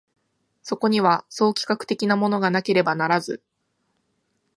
そこには総企画的なものがなければならず、